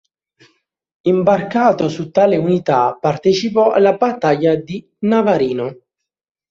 Imbarcato su tale unità partecipò alla battaglia di Navarino.